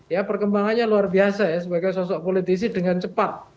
ya perkembangannya luar biasa ya sebagai sosok politisi dengan cepat